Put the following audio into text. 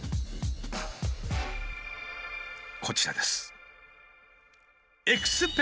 こちらです。